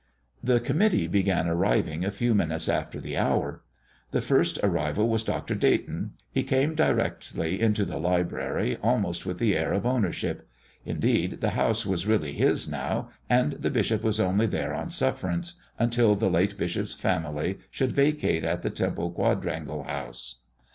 The committee began arriving a few minutes after the hour. The first arrival was Dr. Dayton. He came directly into the library, almost with the air of ownership. Indeed, the house was really his now, and the bishop was only there on sufferance until the late bishop's family should vacate at the temple quadrangle house.